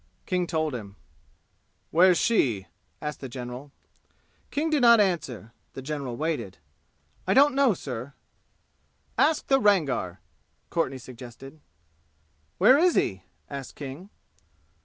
King told him. "Where's she?" asked the general. King did not answer. The general waited. "I don't know, sir." "Ask the Rangar," Courtenay suggested. "Where is he?" asked King.